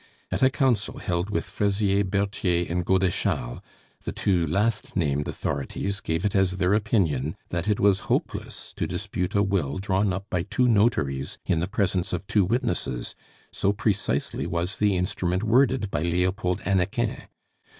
At a council held with Fraisier, Berthier, and Godeschal, the two last named authorities gave it as their opinion that it was hopeless to dispute a will drawn up by two notaries in the presence of two witnesses, so precisely was the instrument worded by Leopold Hannequin.